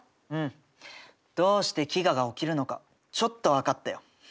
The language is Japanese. うん。どうして飢餓が起きるのかちょっと分かったよ。